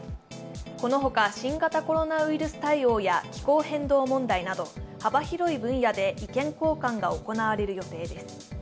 このほか、新型コロナウイルス対応や気候変動問題など幅広い分野で意見交換が行われる予定です。